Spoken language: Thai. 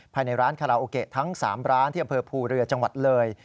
ภายในร้านคาราโอเกะทั้ง๓ร้านที่อำเภอภูเรือจังหวัดเลย